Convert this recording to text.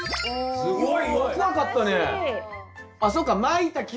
すごい。